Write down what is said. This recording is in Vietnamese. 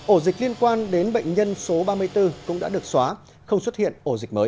ổ dịch liên quan đến bệnh nhân số ba mươi bốn cũng đã được xóa không xuất hiện ổ dịch mới